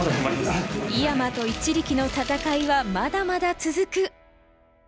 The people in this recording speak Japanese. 井山と一力の戦いはまだまだ続く！